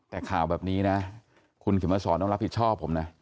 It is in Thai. แต่ข่าวแบบนี้นะคุณเขียนมาสอนต้องรับผิดชอบผมนะ